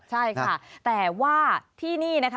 ใช่ค่ะแต่ว่าที่นี่นะคะ